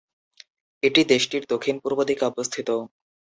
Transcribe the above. এটি দেশটির দক্ষিণ-পূর্ব দিকে অবস্থিত।